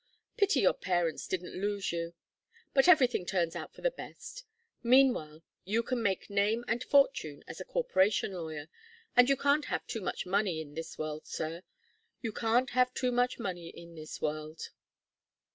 Pity your parents didn't lose you. But everything turns out for the best. Meanwhile, you can make name and fortune as a corporation lawyer. And you can't have too much money in this world, sir. You can't have too much money in this world."